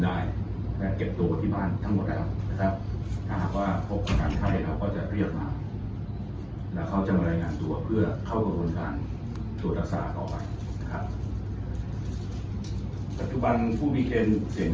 ในระบบการทำงานในระบบการพิการที่เสี่ยง